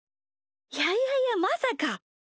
いやいやいやまさか。